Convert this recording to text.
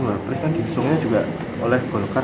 warplase kan diusulnya juga oleh kulkar